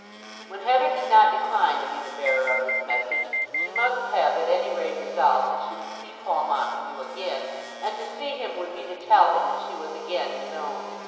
When Hetta did not decline to be the bearer of this message she must have at any rate resolved that she would see Paul Montague again, and to see him would be to tell him that she was again his own.